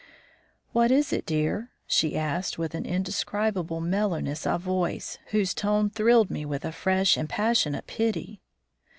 "What is it, dear?" she asked, with an indescribable mellowness of voice, whose tone thrilled me with a fresh and passionate pity.